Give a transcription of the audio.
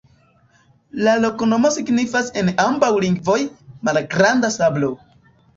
La loknomo signifas en ambaŭ lingvoj: malgranda sablo.